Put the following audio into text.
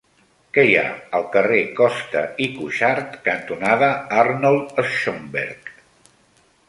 Què hi ha al carrer Costa i Cuxart cantonada Arnold Schönberg?